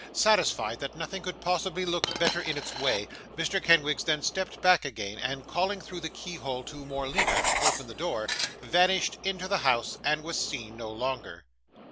Satisfied that nothing could possibly look better in its way, Mr. Kenwigs then stepped back again, and calling through the keyhole to Morleena to open the door, vanished into the house, and was seen no longer.